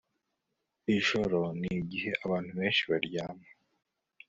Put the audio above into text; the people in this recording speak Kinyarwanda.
ijoro nigihe abantu benshi baryama